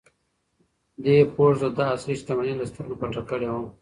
دې پوښ د ده اصلي شتمني له سترګو پټه کړې وه.